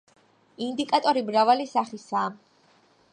ინდიკატორი მრავალი სახისაა.